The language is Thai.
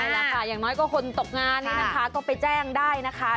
แหละค่ะอย่างน้อยก็คนตกงานนี้นะคะก็ไปแจ้งได้นะคะ